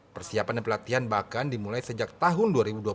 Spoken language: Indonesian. persiapan dan pelatihan bahkan dimulai sejak tahun dua ribu dua puluh